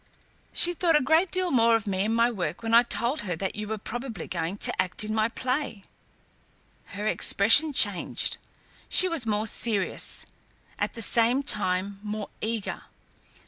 "She thought a great deal more of me and my work when I told her that you were probably going to act in my play." Her expression changed. She was more serious, at the same time more eager.